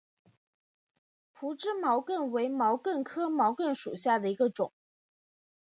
匍枝毛茛为毛茛科毛茛属下的一个种。